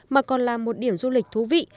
mà còn là một điểm du lịch thú vị